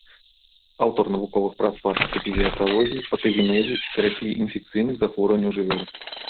Аўтар навуковых прац па эпізааталогіі, патагенезе і тэрапіі інфекцыйных захворванняў жывёл.